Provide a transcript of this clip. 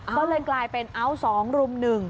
ก็เลยกลายเป็นเอาสองรุมหนึ่ง